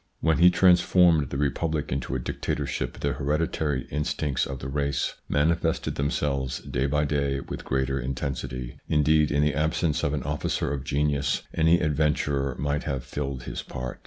When he transformed the republic into a dictatorship, the hereditary instincts of the race manifested themselves day by day with greater intensity ; indeed, in the absence of an officer of genius, any adventurer might have filled his part.